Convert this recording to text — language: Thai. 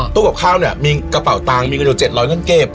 ตู้กับข้าวเนี่ยมีกระเป๋าตังค์มีเงินเงิน๗๐๐กิโลเงินเก็บ